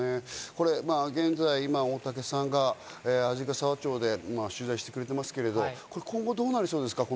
現在、大竹さんが鯵ヶ沢町で取材してくれていますけど、今後どうなりそうですかね？